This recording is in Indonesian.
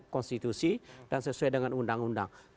konstitusi dan sesuai dengan undang undang